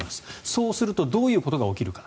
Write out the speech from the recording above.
そうするとどういうことが起きるか。